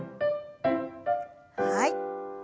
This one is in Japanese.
はい。